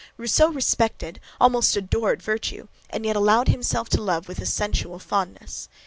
Rousseau respected almost adored virtue and yet allowed himself to love with sensual fondness.